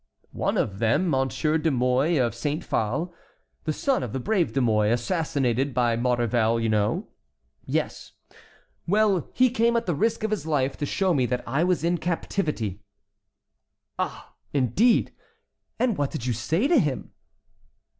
"One of them, Monsieur de Mouy of Saint Phal, the son of the brave De Mouy, assassinated by Maurevel, you know"— "Yes." "Well, he came at the risk of his life to show me that I was in captivity." "Ah! indeed! and what did you say to him?"